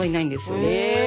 へえ。